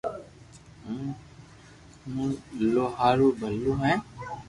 ھون او ھارو ڀلو ھون